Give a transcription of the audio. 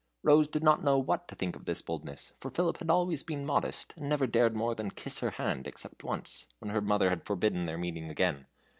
Rose did not know what to think of this boldness, for Philip had always been modest, and never dared more than kiss her hand, except once, when her mother had forbidden their meeting again.